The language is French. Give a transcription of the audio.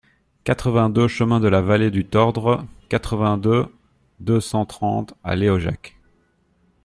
quatre-vingt-deux chemin de la Vallée du Tordre, quatre-vingt-deux, deux cent trente à Léojac